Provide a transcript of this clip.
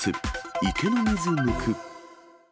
池の水抜く。